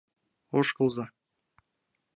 — Ошкылза.